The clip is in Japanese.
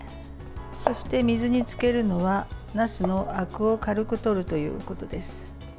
そして水につけるのはなすのあくを軽くとるということです。